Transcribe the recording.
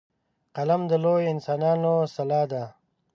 قلم د لویو انسانانو سلاح ده